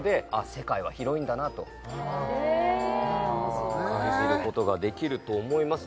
世界は広いんだなとへえ感じることができると思います